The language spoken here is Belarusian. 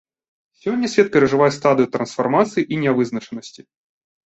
Сёння свет перажывае стадыю трансфармацыі і нявызначанасці.